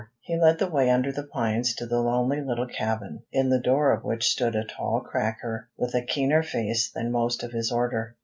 He led the way under the pines to the lonely little cabin, in the door of which stood a tall "cracker," with a keener face than most of his order.